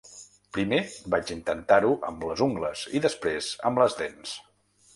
Primer vaig intentar-ho amb les ungles i després amb les dents.